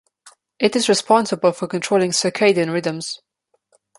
It is responsible for controlling circadian rhythms.